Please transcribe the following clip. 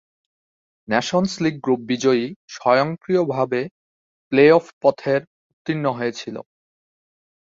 Nations league group বিজয়ী স্বয়ংক্রিয়ভাবে playoff পথের উত্তীর্ণ হয়েছিল।